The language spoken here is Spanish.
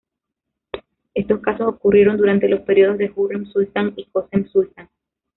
Estos casos ocurrieron durante los periodos de Hürrem Sultan y Kösem Sultan.